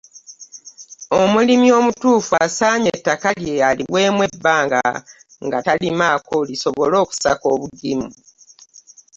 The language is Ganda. Omulimi omutuufu asaanye ettaka lye aliweemu ebbanga nga talimaako lisobole okusaka obugimu.